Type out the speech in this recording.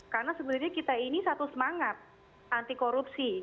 karena sebenarnya kita ini satu semangat anti korupsi